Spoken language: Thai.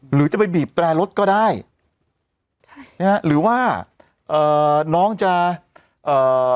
หรือจะไปบีบแตรรถก็ได้ใช่นะฮะหรือว่าเอ่อน้องจะเอ่อ